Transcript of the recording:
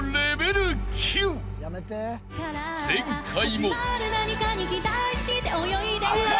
［前回も］